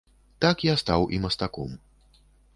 Так я стаў і мастаком.